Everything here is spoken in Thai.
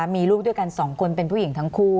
มีลูกด้วยกัน๒คนเป็นผู้หญิงทั้งคู่